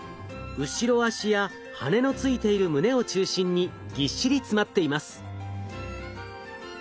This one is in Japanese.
後ろ脚や羽のついている胸を中心にぎっしり詰まっています。